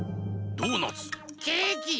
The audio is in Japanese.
ドーナツ。